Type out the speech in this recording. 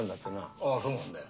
ああそうなんだよ。